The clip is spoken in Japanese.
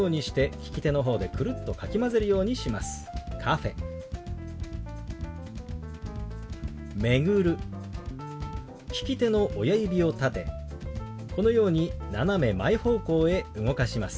利き手の親指を立てこのように斜め前方向へ動かします。